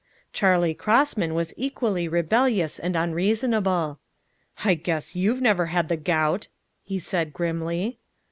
Charley Crossman was equally rebellious and unreasonable. "I guess you've never had the gout," he said grimly.